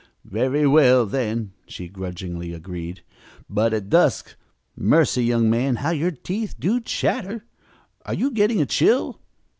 "Very well, then," she grudgingly agreed, "but at dusk Mercy, young man, how your teeth do chatter! Are you getting a chill?